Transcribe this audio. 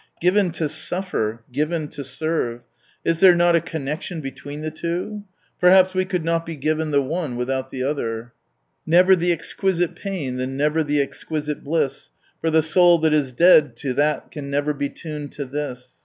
Given to suffer^ Given to sen*t\ Is there not a connection between the two ? Perhaps we could not be given the one without the other —" Never the exquisite pain, then never the exquisite bliss, For the soul that is dead to that can never be tuned to this."